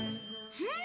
うん！